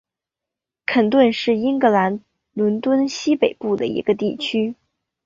肯顿是英格兰伦敦西北部的一个地区。